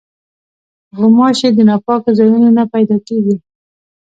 غوماشې د ناپاکو ځایونو نه پیدا کېږي.